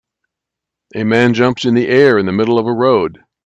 A man jumps in the air in the middle of a road.